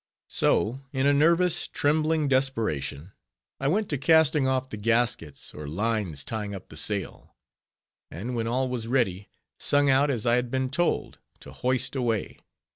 So in a nervous, trembling desperation, I went to casting off the gaskets, or lines tying up the sail; and when all was ready, sung out as I had been told, to _"hoist away!"